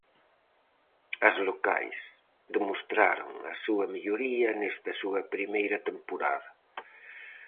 As locais demostraron a súa melloría nesta súa primeira temporada.